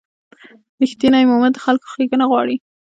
رښتینی مؤمن د خلکو ښېګڼه غواړي.